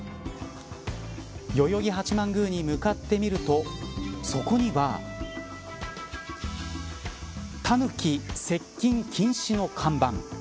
代々木八幡宮に向かってみるとそこにはタヌキ接近禁止の看板。